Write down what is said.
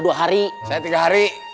gak ada yang kabur